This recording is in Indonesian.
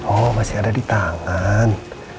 oh masih ada di tangan